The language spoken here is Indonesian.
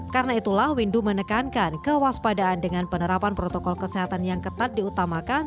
karena itulah windu menekankan kewaspadaan dengan penerapan protokol kesehatan yang ketat diutamakan